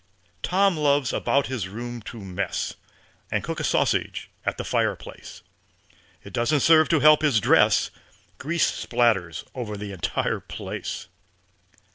Tom loves about his room to mess, And cook a sausage at the fireplace. It doesn't serve to help his dress Grease spatters over the entire place.